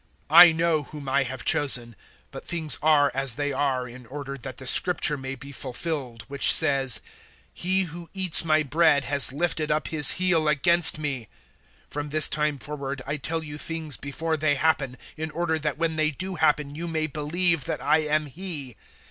I know whom I have chosen, but things are as they are in order that the Scripture may be fulfilled, which says, `He who eats my bread has lifted up his heel against me.' 013:019 From this time forward I tell you things before they happen, in order that when they do happen you may believe that I am He.